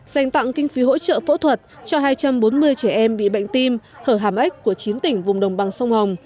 dành tặng kinh phí hỗ trợ phẫu thuật cho hai trăm bốn mươi trẻ em bị bệnh tim hở hàm ếch của chín tỉnh vùng đồng bằng sông hồng